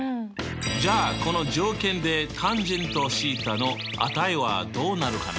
じゃあこの条件でｔａｎθの値はどうなるかな？